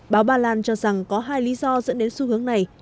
báo ba lan cho rằng có hai lý do dẫn đến xu hướng này